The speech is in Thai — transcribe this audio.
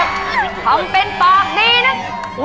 ทำเป็นตอบดีนะ